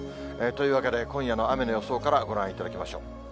というわけで、今夜の雨の予想からご覧いただきましょう。